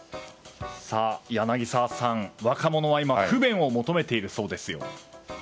柳澤さん、若者は今不便を求めているそうですよ。